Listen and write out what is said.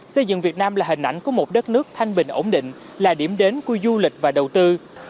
xây dựng việt nam là hình ảnh của một đất nước thanh bình ổn định là điểm đến của du lịch và đầu tư